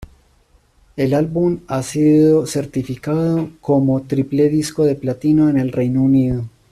El álbum ha sido certificado como triple disco de platino en el Reino Unido.